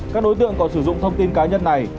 các đối tượng còn sử dụng thông tin cá nhân này